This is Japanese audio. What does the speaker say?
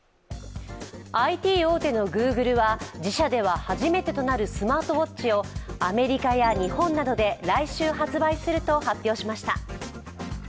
ＩＴ大手のグーグルは、自社では初めてとなるスマートウォッチをアメリカや日本などで来週発売すると発表しました。